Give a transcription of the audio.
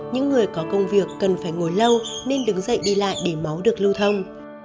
những người có công việc cần phải ngồi lâu nên đứng dậy đi lại để máu được lưu thông